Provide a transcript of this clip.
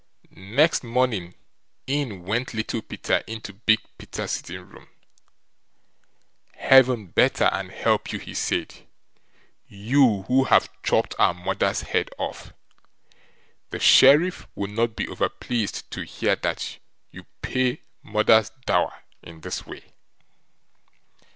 Next morning, in went Little Peter into Big Peter's sitting room. "Heaven better and help you", he said; "you who have chopped our mother's head off. The Sheriff will not be over pleased to hear that you pay mother's dower in this way."